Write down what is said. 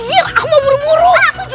tempat kayak gimana ya